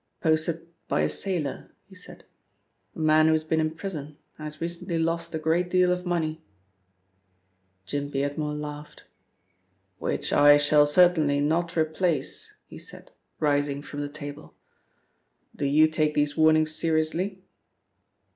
"Posted by a sailor," he said, "a man who has been in prison and has recently lost a great deal of money." Jim Beardmore laughed. "Which I shall certainly not replace," he said, rising from the table. "Do you take these warnings seriously?"